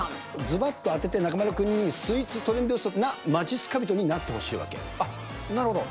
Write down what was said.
ずばっと当てて、中丸君にスイーツトレンド予測のまじっすか人になってほしいわけあっ、なるほど。